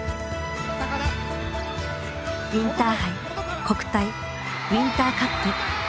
インターハイ国体ウインターカップ。